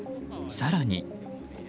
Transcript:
更に。